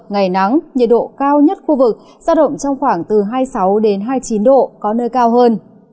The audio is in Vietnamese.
ngày nắng nhiệt độ cao nhất khu vực giao động trong khoảng từ hai mươi sáu hai mươi chín độ có nơi cao hơn